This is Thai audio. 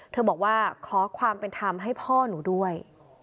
บอกว่าขอความเป็นธรรมให้พ่อหนูด้วย